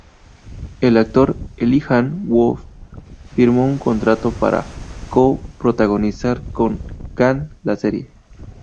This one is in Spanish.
El actor Elijah Wood firmó un contrato para co-protagonizar con Gann la serie.